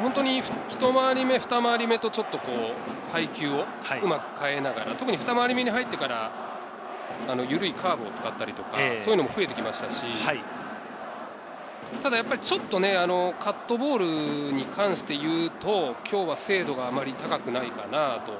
本当にひと回り目、ふた回り目と配球をうまく変えながら、ふた回り目に入ってから緩いカーブを使ったりとかそういうのも増えてきましたし、ただちょっとカットボールに関していうと、今日は精度があまり高くないかなと。